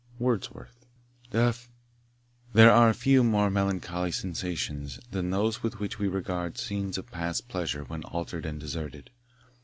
Wordsworth. There are few more melancholy sensations than those with which we regard scenes of past pleasure when altered and deserted.